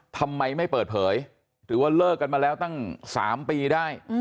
ทำไมไม่เปิดเผยหรือว่าเลิกกันมาแล้วตั้ง๓ปีได้